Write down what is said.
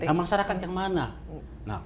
nah masyarakat yang mana